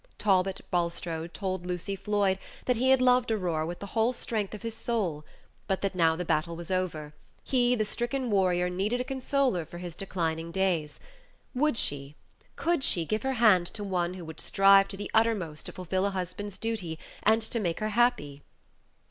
Talbot Bulstrode told Lucy Floyd that he had loved Aurora with the whole strength of his soul, but that now the battle was over, he, the stricken warrior, needed a consoler for his declining days; would she, could she, give her hand to one who would strive to the uttermost to fulfil a husband's duty, and to make her happy?